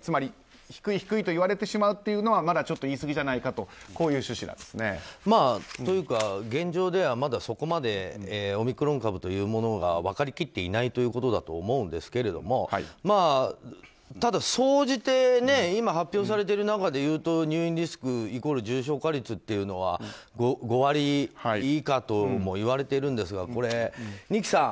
つまり低い低いと言われてしまうのは言い過ぎじゃないかと現状ではまだそこまでオミクロン株というものが分かりきっていないということだと思うんですけれども、ただ総じて今発表されている中でいうと入院リスクイコール重症化率というのは５割以下ともいわれていますが二木さん